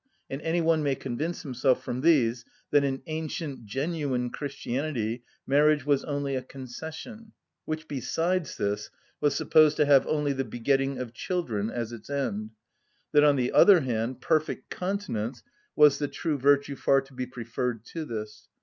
and any one may convince himself from these that in ancient, genuine Christianity marriage was only a concession, which besides this was supposed to have only the begetting of children as its end, that, on the other hand, perfect continence was the true virtue far to be preferred to this.